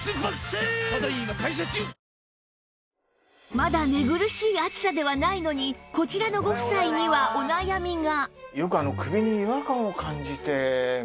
まだ寝苦しい暑さではないのにこちらのご夫妻にはお悩みが